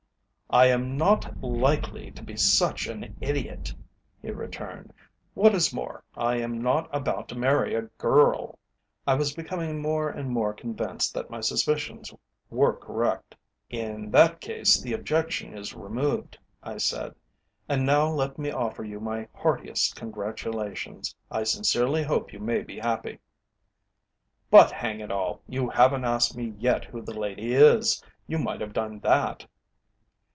"I am not likely to be such an idiot," he returned. "What is more, I am not about to marry a girl." I was becoming more and more convinced that my suspicions were correct. "In that case, the objection is removed," I said. "And now let me offer you my heartiest congratulations. I sincerely hope you may be happy." "But hang it all, you haven't asked me yet who the lady is! You might have done that."